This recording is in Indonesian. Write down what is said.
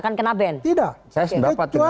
akan kena ban tidak saya sendiri dapat dengan